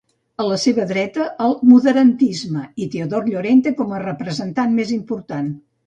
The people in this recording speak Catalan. A la seva dreta, el moderantisme, i Teodor Llorente com a representant més important.